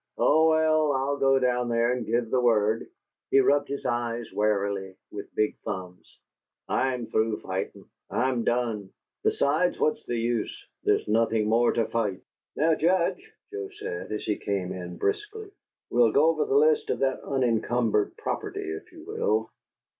"Oh, well, I'll go down there and give the word." He rubbed his eyes wearily with big thumbs. "I'm through fighting. I'm done. Besides, what's the use? There's nothing more to fight." "Now, Judge," Joe said, as he came in briskly, "we'll go over the list of that unencumbered property, if you will."